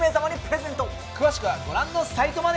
詳しくはご覧のサイトまで。